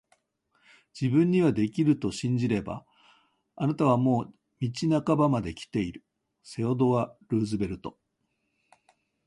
自分にはできると信じれば、あなたはもう道半ばまで来ている～セオドア・ルーズベルト～